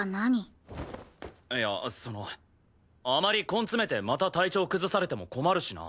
いやそのあまり根詰めてまた体調崩されても困るしな。